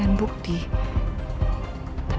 tapi siapa yang diketuk